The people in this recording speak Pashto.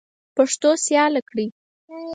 پښتو سیاله کړئ.